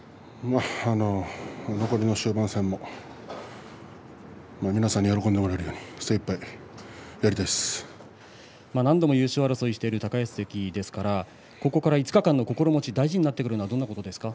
残りの終盤戦も皆さんに喜んでもらえるように何度も優勝争いしている高安関ですからここから５日間の心持ち大事になってくることはどんなことですか。